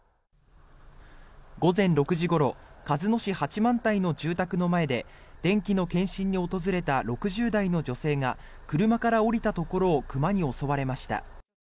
午前６時ごろ鹿角市八幡平の住宅の前で電気の検針に訪れた６０代の女性が車から降りたところを熊に襲われました。